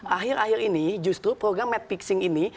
akhir akhir ini justru program mad fixing ini